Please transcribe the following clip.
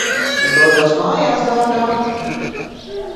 Es dodos mājās, dārgā.